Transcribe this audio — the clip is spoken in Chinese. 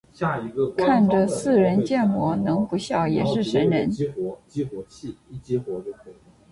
看着似人建模能不笑也是神人